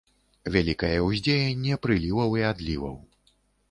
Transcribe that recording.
Вялікае ўздзеянне прыліваў і адліваў.